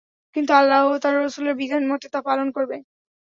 কিন্তু আল্লাহ ও তাঁর রাসূলের বিধান মতে তা পালন করবে।